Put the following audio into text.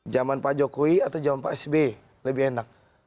zaman pak jokowi atau zaman pak sbe lebih enak